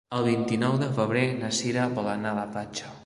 El vint-i-nou de febrer na Sira vol anar a la platja.